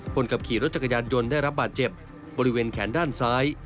คนขับขี่รถจักรยานยนต์ได้รับบาดเจ็บบริเวณแขนด้านซ้าย